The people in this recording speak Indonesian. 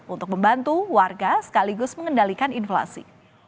untuk membantu warga sekaligus mengendalikan inflasi